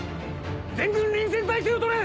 全軍臨戦態勢を取れ！